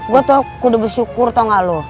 gue tuh udah bersyukur tau gak lu